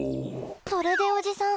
それでおじさん